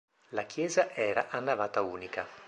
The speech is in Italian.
La chiesa era a navata unica.